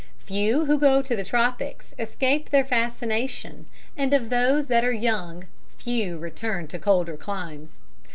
_ Few who go to the tropics escape their fascination, and of those that are young, few return to colder climes.